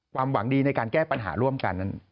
ความหวังดีในการแก้ปัญหาร่วมกัน